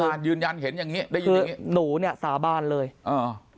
ยืนยันเห็นอย่างงี้ได้ยินอย่างงี้หนูเนี้ยสาบานเลยอ่า